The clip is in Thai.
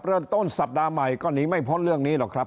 เริ่มต้นสัปดาห์ใหม่ก็หนีไม่พ้นเรื่องนี้หรอกครับ